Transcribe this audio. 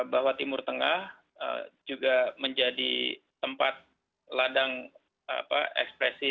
bahwa timur tengah juga menjadi tempat ladang ekspresi